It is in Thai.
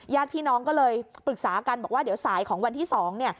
ญาติพี่น้องก็เลยปรึกษากันบอกว่าเดี๋ยวสายของวันที่๒เนี่ย